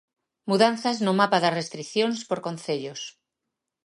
Mudanzas no mapa das restricións por concellos.